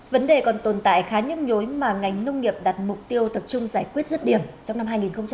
vấn đề còn tồn tại khá nhức nhối mà ngành nông nghiệp đặt mục tiêu tập trung giải quyết rứt điểm trong năm hai nghìn hai mươi